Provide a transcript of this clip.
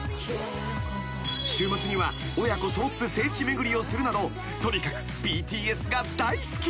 ［週末には親子揃って聖地巡りをするなどとにかくＢＴＳが大好き］